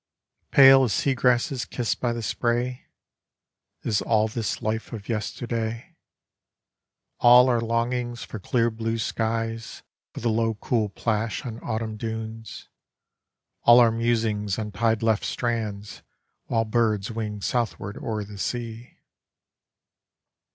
Pale as seagrasses kissed by the spray. Is all this life of yesterday, All our longings for clear blue skies For the low cool plash on autumn dunes, All our nusir.gs on tide left strands While birds wing southward o'er the sea.